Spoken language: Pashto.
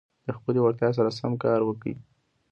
د خپلي وړتیا سره سم کار وکړئ.